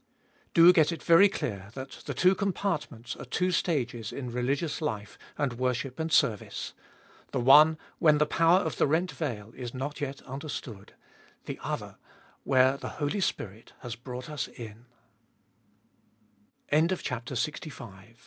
2. Do get it very clear that the two compartments are two stages in religious life and worship and seruice. The one when the power of the rent veil is not yet understood ; the other where the Holy Spirit has brough